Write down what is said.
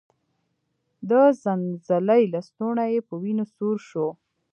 د څنځلې لستوڼی يې په وينو سور شو.